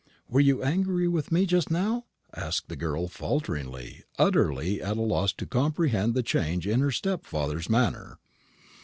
"Were you angry with me just now?" asked the girl, falteringly, utterly at a loss to comprehend the change in her stepfather's manner.